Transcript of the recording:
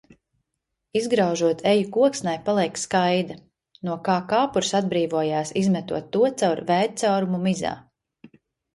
Izgraužot eju koksnē paliek skaida, no kā kāpurs atbrīvojās izmetot to caur vēdcaurumu mizā.